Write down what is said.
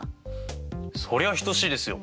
そりゃあ等しいですよ！